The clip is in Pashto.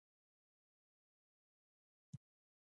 د فصل د ودې لپاره باید مناسب رطوبت برابر وي.